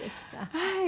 はい。